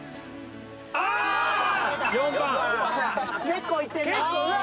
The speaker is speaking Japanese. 結構いってるな。